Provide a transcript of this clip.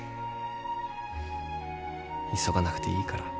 急がなくていいから。